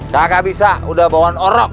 kakak bisa udah bawaan orok